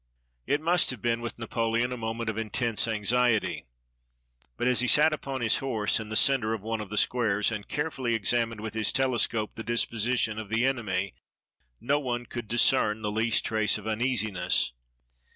It must have been with Napoleon a moment of in tense anxiety. But as he sat upon his horse, in the center of one of the squares, and carefully examined with his telescope the disposition of the enemy, no one could discern the least trace of uneasiness.